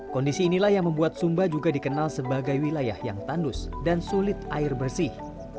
kondisi inilah yang membuat sumba juga dikenal sebagai wilayah yang tandus dan sulit air bersih